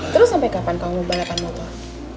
terus sampai kapan kamu balapan motor